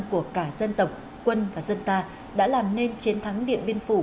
của cả dân tộc quân và dân ta đã làm nên chiến thắng điện biên phủ